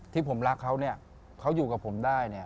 ที่ผมรักเขาเขาอยู่กับผมได้